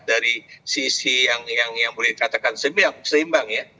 dari sisi yang boleh dikatakan seimbang ya